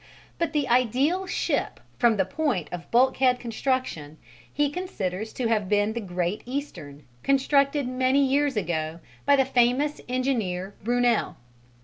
But the ideal ship from the point of bulkhead construction, he considers to have been the Great Eastern, constructed many years ago by the famous engineer Brunel.